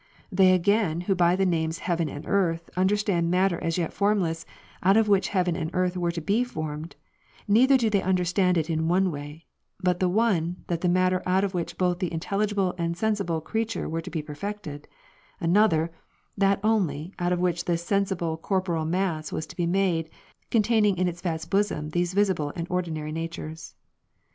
They again who by the names heaven and earth, understand matter as yet formless, out of which heaven and earth were to be formed, neither do they understand it in one way ; but the one, that matter out of which both the intelligible and the sensible creature were to be perfected; another, that only, out of which this sensible corporeal mass was to be made, containing in its vast bosom these visible and ordinary natures.